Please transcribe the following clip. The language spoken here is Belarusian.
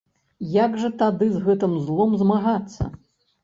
Як жа тады з гэтым злом змагацца?